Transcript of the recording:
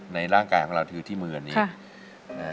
ในร่างกายของเราถือที่มืออันนี้